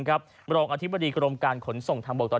เราก็มาอธิบายดีกรมการขนส่งทางบก